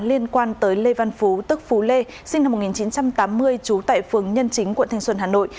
liên quan tới lê văn phú tức phú lê sinh năm một nghìn chín trăm tám mươi trú tại phường nhân chính quận thanh xuân hà nội